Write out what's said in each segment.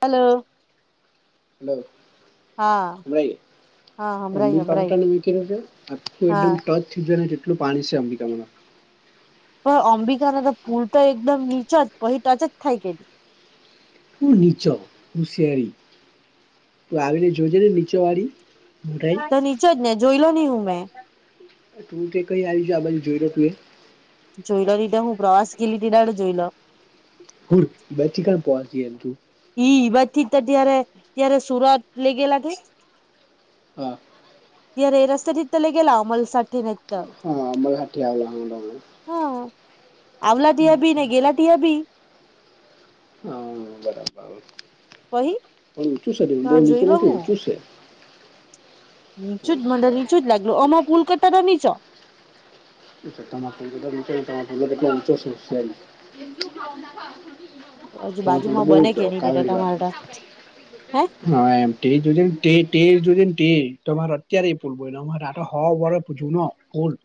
Hello. Hello. હા મ ક હા ન મ હમરાય ર આ હમરાય ખબ હા એકદમ ટચ કેટલું પાણી છે અંબિકામાં પણ અંબિકાના તો પુલ તો એકદમ નીચો જ પછ ટચ જ થાય કે હું નીચો હું શયારી તું આવીને જોજે ને નીચો વાળ તો નીચે જ ને જોઈલો ની હું મેં? તું તે કઈ આવી ગયો આ બાજુ જોઈ રો તું એ? જોઈલો ની તો હું પ્રવાસ ગેલી તે દાડે જોઈલો. હુર બેચી કલ પોહંચી હ તું. ઈ ઈ બાજથી તો ત્યારે ત્યારે સુરત લેઈ ગેલા તે. હા. ત્યારે એ રસ્તેથી જ તો લેઈ ગેલા અમલસાડથીને ત હા અમારા હાથે આવેલા હા તમે હા આવલા ત્યાર બી ને ગેલા ત્યાં બી. હમ્મ, બરાબર. પહી પણ ઊંચું શે તે તા બો જોઈ ઊચું લો નથી હું નીચું જ શે. નીચું જ મન તો હોશિયાર નીચું જ લાગલું અમાર પુલ કરતાં તો નીચો. છઠ્ઠામા છે એન કરતાં તમાર [unintelligible] હજુ બાજુમાં બને કે ની તેટો તમાર તો હે? હા એમ તે જોજે ન તે તમારો અત્યારે એ પૂલ બયનો અમાર તો આ હો વરહ જૂનો. ઓલ્ડ.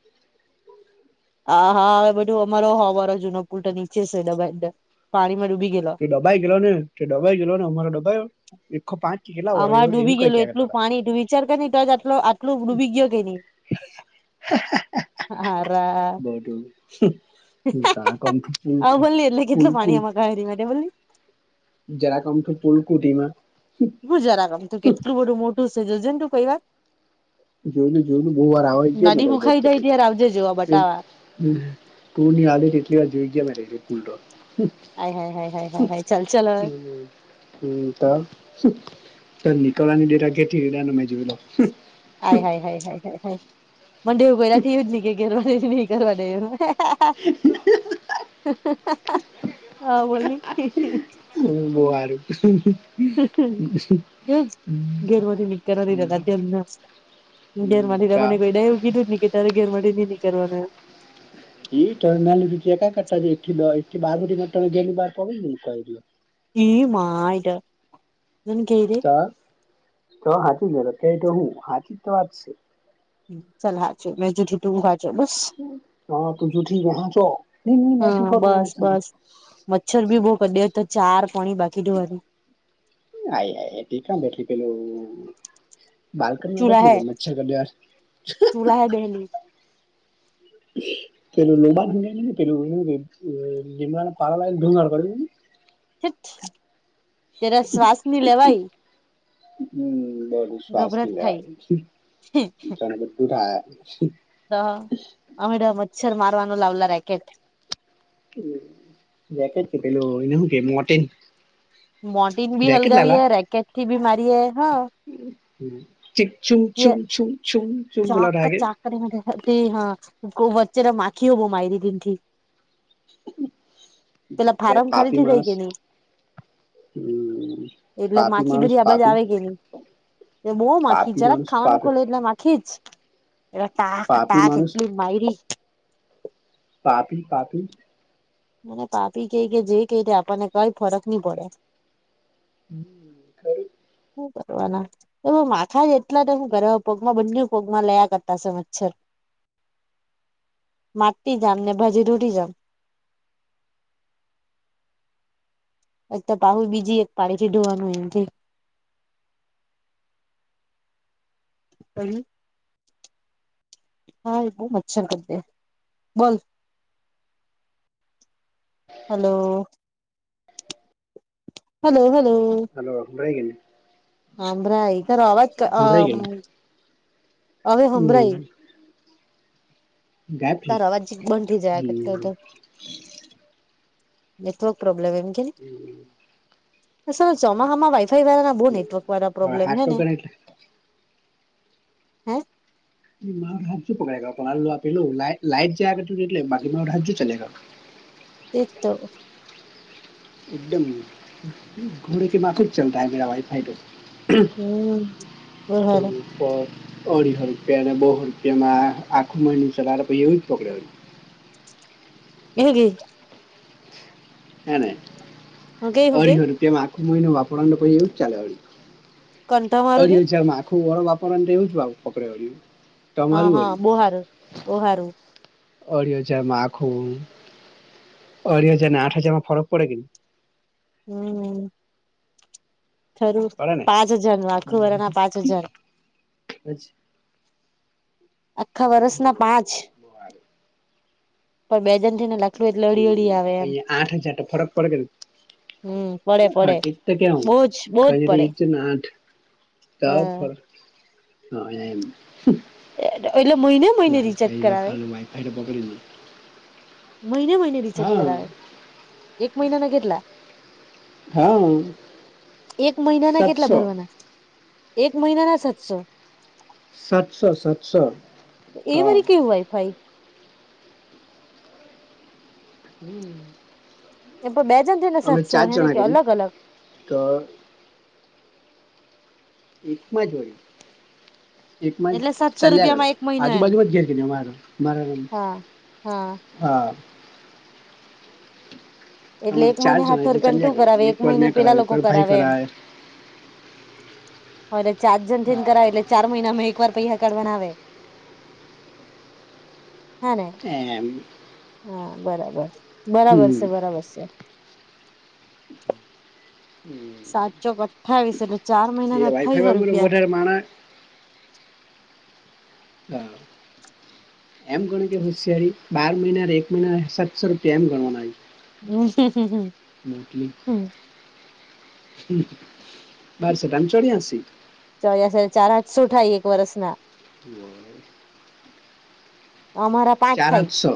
આ હા હવે બધું અમારો હો વરહ જૂનો પુલ તો નીચે શે ડબાઈન પાણીમાં ડૂબી ગેલો. ડબાઈ ગેલોને તે ડબાઈ ગેલોને અમારો ડબાયો? એક હો પાચ કેટલા અમારે ડૂબી ગેલું એટલું કરતા પાણી તું વિચાર કરની તો જ આટલો આટલું ડૂબી ગયો કે નહીં. હ હારા. જાણે કમથી પુલકૂ પુલકૂ ઘાયરી મા તે હુલ્લી જરાક અમથું પૂલકુ ટીમાં હું જરાક અમથું કેટલું બધું મોટું છે જોજેને તું કોઈ વાર. જોઈલુ જોઈલુ બહું વાર આવે કયા નદી તા એક હુંખાઈ બે જાય વાર. ત્યારે આવજે જોવા હુ બતાવા હે તું ની આવલી તેટલી વાર જોઈ ગયાં મે તે પૂલ તો. હમ્મ આય હાય હાય હાય હાય હાય ચાલ ચાલ હવે હમ્મ હમ્મ. હમ્મ તો તન નિકળવા ની દેય ઘરથી મેં જોયલો હમ્મ. આય હાય હાય હાય હાય હાય મન તો પહેલાથી જ એવું જ ને કેય કે ઘરવાળી ની કરવા દેય એમ. હ બોલની. હ બો હારુ. એવું જ ઘેરવાળી ની કરવા દે [unintelligible] હમ હમ ઘેરમાંથી તો તા મને કોઈ દાડ એવું કીધું જ ની કે તારી ઘેરવાળી ની કરવાનું એમ. ઈ તણ માલી ચેકા કરતાં જોઈ એકથી દહ એકથી બાર હુધીના તમે ઘેરની બાર પગ ની મૂકાઈ રીઓ. ઈ માય તો એનું કેય તો. તો તો હાચુને તો કેય તો હું હાચી જ તો વાત છે. હમ્મ ચાલ હાચુ મેં જુઠું તું હાચો બસ. હા તું જુઠી મેં હાચો ની ની મેં હા જૂઠો તું બસ હાચી. બસ મચ્છર બી બો કડયો તો ચાર પોણી બાકી ધોવાડી. આય હાય હાય તી કણ બેઠી પેલું બાલ્કનીમાં બેઠલી કાય મચ્છર કડયા ભુલાએ બેહેલી. પેલું લીબાનને પેલું હું કેય અ લીમડાના પાડો લાવીને ધુમાડો કર જોની. ત્યારે શ્વાસ ની લેવાય. હમ્મ, બધું શ્વાસ ની ગભરાટ થાય લેવાઈ. તુ થાય. તો અમેતો મચ્છર મારવાનું લાવલા રેકેટ. રેકેટ કે પેલો એને હુ કે મોર્ટીન. મોર્ટીન ભી હલગાવીએ રેકેટ થી બી મારીએ હા ચાક [unintelligible] ચાક હા વચ્ચે તો માખી હો બો માયરી તેનથી. પેલા એટલે ફારમ ખાલી પાપી થી જાય માણસ કેની હમ એટલે પાપી માખી માણસ બધી અબાજ પાપી આવે કે નહી. એ બો માંખી પાપી જરાક માણસ ખા વાનું પાપ ખોલું એટલે માખી જ એલે ટાક પાપી ટાક માણસ એટલી માયરી પાપી પાપી મને પાપી કઈ કે જે કેય આપણને કઈ ફરક નહી પડે. હમ ખરું. શું કરવાના. તો માથા જ એટલા જે હુ ઘરે પગમાં બંને પગમાં લેયા કરતાશે મચ્છર. [inaudible] માટી જામ ને ભાજી રૂટી જામ. એક પાહુ બીજી એક પાડી થી ધોવાનું એમ કે. [unintelligible] હા એ બહુ મચ્છર કરડે બોલ. હલો હલો હલો હલો હભળાય કે ની. હભરાઈ તારો અવાજ ક અ સંભળાઈ ગયું અવે હંભરાઈ. હમ ગાયબ છે તારા અવાજ બંધ થઇ જાયા કરતો હમ હતો નેટવર્ક પ્રોબ્લેમ એમ કેની હમ અ સલા ચોમાહામાં વાઈફાઈ વાળા ના બહુ નેટવર્ક વાળા હવે પ્રોબ્લેમ હાથ હે ને? પકડે એટલે હે માર તો હાજુ પકડાય મારું આપેલું લાઈટ લાઈટ જાયા કતી તી એટલે બાકી મા હાજુ ચાલ્યા કરે. તેતો એકદમ ઘોડે કે માફિક ચાલતા હે મેરા વાાઈફાઈ તો. હમ વધારે. તો અઢીહો રૂપિયા અને બોહો રૂપિયામાં આખું મહિનું ચલાવે તો એવજ પકડે. એહુ કે. હે ને હું ગઈ હું ગઈ અઢીસો રૂપિયામાં આખું મહીનો વાપરવા ન તો પહી એવું જ ચાલે પહી. કંઠા મારું અઢી ગઈ હજારમાં આખું વરહ વાપરવા તો એવું જ આવ પકડે. હા તમારું હા બો હારુ બો હારુ. અઢી હજાર મા આખું અઢી હજાર ને આઠ હજારમાં ફરક પડે કે ન હમ ખરું પડે ને પાંચ હજાર નું આખું વરા ના પાંચ હજાર. [unintelligible] આખા વર્ષ હમ, ના પાંચ બહુ આવે. પણ બેજણ થીને લ હ અહીં આઠ હજાર તો ફરક પડે હમ પડે કેની હા પડે ઠીક તા બોજ બોજ કેવ પડે એક જ ના આઠ ક હા ફળ હા એમ એટલે મહિને મહિને રિચાર્જ વાઈફાઈ કરાવે? [unintelligible] મહિને મહિને રિચાર્જ હા કરાવે એક મહિના ના કેટલા? હા એક મહિનાના કેટલા સાતસો ભરવાના? એક મહિના ના સાતસો સાતસો સાતસો એ હા વરી કેવું વાઇફાઇ? [inaudible] એમ પણ બેજણ થઈ ને અમે સાતસો ચાર હે ને જણા કે કરી અલગ અલગ તો એકમાં જ હોય [inaudible] એક એટલે સાતસો ચાલ્યાગળે રૂપિયામાં એક મહિનો એમ આજુબાજુમાં જ ઘેર કે અમારા મારા હા હા હા. [inaudible] એટલે અમારે એક ચાર મહિને જણા હાઠસો એટલે રૂપિયાને ચાલ્યા શું કરે કરાવે એક એકવાર મહિને મેં પેલા કરાવે લોકો એકવાર ભાઈ કરાવે એમ હરે ચાર જણ થીન હા કરાવે એટલે ચાર મહિનામાં એક વાર પૈસા કરવા ના આવે હા ને એમ. હા બરાબર બરાબર હમ છે બરાબર છે હમ. સાતસોક અઠ્ઠાવીસ એટલે ચાર મહિના ના વાઈફાઈ અઠ્ઠાવીસો વાળું રૂપિયા એ વધારે માણસ હા [inaudible] એમ ગણ કે હોશિયારી બાર મહિના એક મહિના સાતસો રૂપિયા એમ ગણવાના હોય મટલી [inaudible] હમ હમ્મ બાર સીતા ચોર્યાસી ચોર્યાસી ચાર હાથસો એક વરસના [inaudible] અમારા પાંચ ચાર થાય આઠસો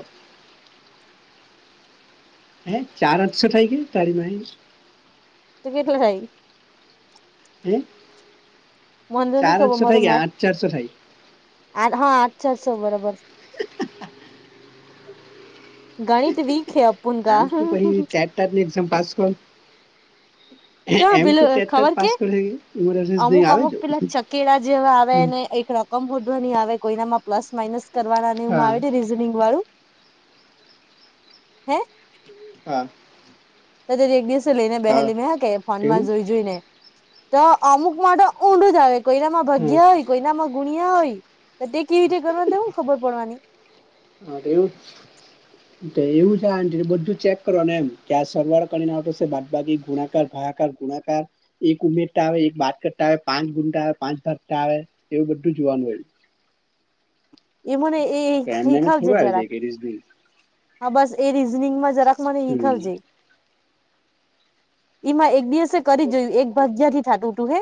હે ચાર આઠસો થાય કે તારી મારી તું કેટલા હઈ હે મને તો નહી ચાર ખબર આઠસો મારું થાય મેટ આઠ ચારસો થાય આ હા છસો બરોબર [inaudible] ગણિત વીક હે અપુન કા ટેટની એક્ઝામ પાસ કર કા એમ ટુ પેલું ટેન તક ખબર કે પાસ કરેલી આવે કેળા જેવા આવે ને એક રોક કમ ભોડવાની આવે કોઈનામાં પ્લસ માઇનસ કરવાના એવું હા આવે રીઝનિંગ વાળું હે હા. કદાચ એક દિવસે લઈને બેહેલી મે હા કે ફોનમાં એવું જોઈ જોઈ ને તો અમુક માટે ઊંડું જ આવે કોયનામાં હા ભગ્યા હોય કોઈનામાં ગુણિયા હોય તો તે કેવી રીતે કરવા તો હું ખબર પડવાની હા એવું જ તો એવું છે આ બધું ચેક કરો ને એમ કે આ સરવાળો કરીને આવે બાદ બાકી ગુણાકાર ભાગાકાર ગુણાકાર એક ઉમેરતા આવે એક બાદ કરતા આવે પાંચ ગુટ આવે પાંચ ભાગતા આવે એવું બધું જોવાનું હોય એ મને એ એ તો એમને એમ સીખાવ જે થોડું આવી જરાક જાય કે રીઝનિંગ હા બસ એ રિઝનિંગ માં જરાક મને હમ શીખાવજે એમાં એક દિવસે કરી ઓકે જોયું એક ઓકે હજાર થી ટું તું હે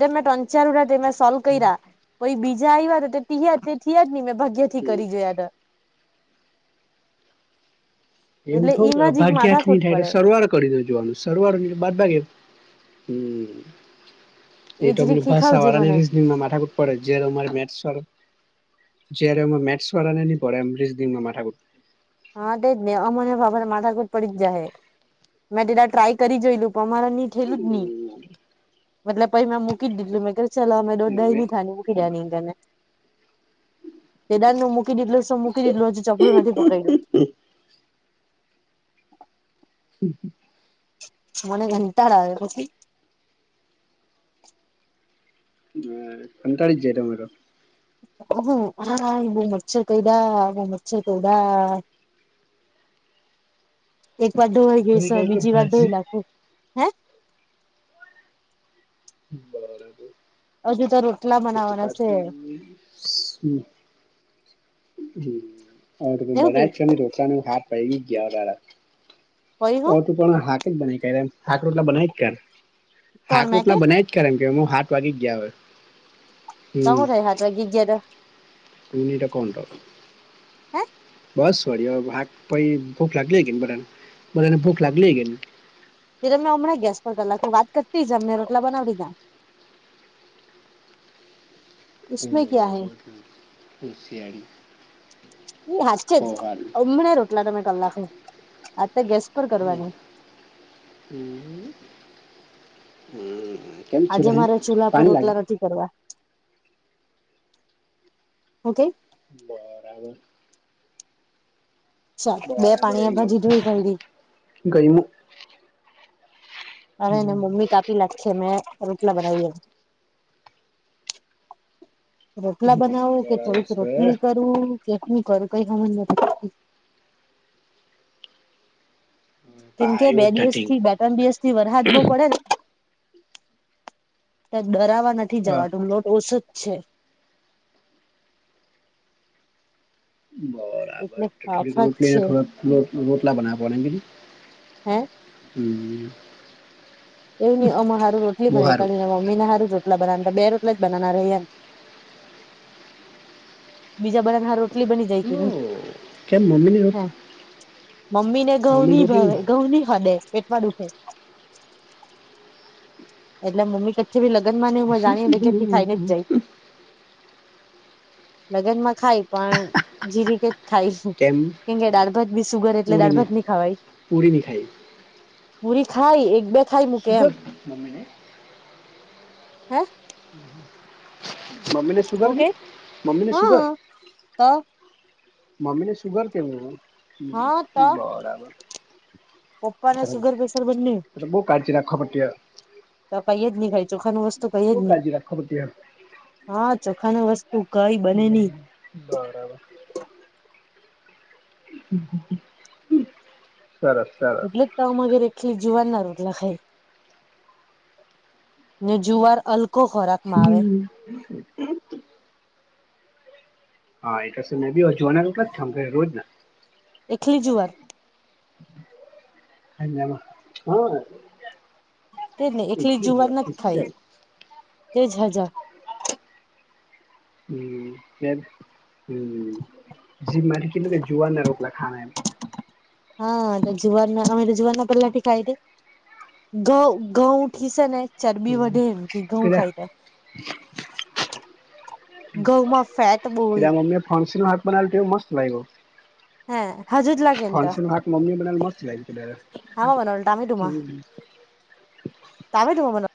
તેર મે ત્રનચાર તે સોલ્વ કરીયા કોઈ બીજા આવ્યા હતા તે થીયા જ ને મેં ભાગ્ય થી કરી જોયા હતા એટલે એવું ઈમાં થોડું જીક ભાગ્યા થી ની માથાકૂટ થાય પડે સરવાળો કરી દેજો જોવાનું સરવાળ બાદબાકી હમ્મ એ જ તોમને રીત ભાષા શીખાવજે વાળા મને રિઝનીગમાં માથાકુટ પડે જય્યારે અમારે વા મેથસ વાળા ને નહી પડે રિઝનીગમાં માથાકુટ હા તેજ ને અમને માથાકુદ પડી જ જા હે મેં તે દાળ ટ્રાય કરી જોયેલું પણ અમારે ની થેલું જ નહી. મતલબ પછ મે મૂકી દીધલું મે ચલો અમે દ દહી ની થાની મૂકી દયા ની કેને બેદા નું મૂકી દેટું શું મૂકી દીધલ હજુ ચપલું નથી પકડ્યું [inaudible] મને ઘંટાર આવે પછી હ પંતાળીસ જાય તમારો. હાા એ બહ મચ્છર કદા બહ મચ્છર તોડા [unintelligible] એક વાર ઢોવાઈ તો ગઈ તમે છે કઈ કે બીજી વાર ભાજી ઢોઈ નાખું હે [inaudible] હજુ તો રોટલા બનાવવાના છે. હ તમે એવું કે બનાય જ છો રઢોકડાને હાથ પૈ ગી ગયાવાળ કહીહું ત પણ હાક જ બના હાક રટલા બનાય હાક કોણ મેં કે રોટલા બનાય કેમ કે હાથ વાગી ગયા હોય તમ થ હાથવા ગીગર પનીટ કોન્ટો [inaudible] બસ વળ ભા પ ભૂખ લાગલે કે બધાને બધાને ભૂખ લાગલે કે. ત્યારે મેં હમણાં ગેસ પર કરલા તો વાત કરતી જ અમને રોટલા બનાવી લીધા ઓ ઉમે ક્યા હૈ દુશ એ હચ જ પહોવારી ઓમણે રોટ એટલા તમે કલાકે આ ગેસ્ટ [inaudible] આજે હે મારા ચૂલા પર પાણી લાગે રોટલા નથી ઓકે. બરાબર. અચ્છા બે પાણી એ ભાજીી જોઈ ખાયી ગમ અને એને હમ, મમ્મી કાપી લખ મેં રોટલા બનાવી. રોટલા બનાવું કે બરાબર થોડીક છે રોટલી કરું કેટું કરું કઈ સમજ નથી કેમ કે બે પાયો દિવસ ઢટિંગ થી બે બસ થી વરહાદ બહ પડે ને ક્યાક ડરાવાના નથી હા જવા ડુંમલોટ ઓછ જ છે. બરાબર એટલે થોડીક ફાફા જ રોટલી ને છે થોડા રોટલા બનાવવા બીજુ [inaudible] હે એવ નહ અમે હારું રોલીનાવી કા્યું ને મમ્ીનેાર રોટલા બનાવ તો બે રોટલી જ બના રહી ને બીજા બા ખ [inaudible] હ રોટ મમ્મી ને ઘઉં ની ભાવે ઘઉં ની ખાડે પેટમાં દુખે એટલે મમ્મી કચ્છી ભી લગન માંને જાણી કેથી ખાઈને જાય. લગ્ન માં ખાય પણ જે રીતે જ ખાય કેમ કે દાળભાત બી સુગર એટલે પૂરીની દાળભત નની ખાવાય પૂરીની ખાઈ પૂરી ખાય એક બે થાય મ કે એમ સુગર મમ્મીને [inaudible] મ્મીને શુગર કે મ્મીને શુગર હા તો મમ્મીને સુુગર કેવું હા તો બરાબર પપ્પા ના સુગર પ્રેશર બંને બહુ કાળજી રાખવા પડતી તો કઈ જ નીખાય ચોખા ન વસ્તુ કઈ બહુ જ નહી કાળજી રાખવા પડતી હા ચોખા ન વસ્તુ કઈ બને નઈ બરાબર સરસ સરસ એટલે જ [unintelligible] જુવાર ના રોટલા ખાઈ ને જુવાર અલ હમ [unintelligible] એખલી જુવાર હ હ [unintelligible] તે જ ને એકલી જુવાર નથી ખાઈ તે [unintelligible] [unintelligible] કે જુવાર ના રોકલા ખાવા એમ હા જુવારના અમે જુવાર ના પહેલાથી ખા [unintelligible] ઘઉં ઘઉં થી સે ને ચરબી વધે એમ કે ઘઉં કીધા ખાઈ ત ઘઉંમાં ફેટ બોઉ કીધા હોય મમ્મીએ [unintelligible] તે મસ્ત લાગ્યો હે હજુ જ લાગે [unintelligible] ને તો મમ્મી બનાયો મસ્ત લાગ્યો હતો હામાં બનાવેલું ટામેટુમાં ત્યારે [unintelligible]